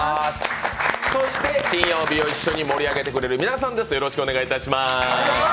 金曜日を一緒に盛り上げてくれる皆さんです。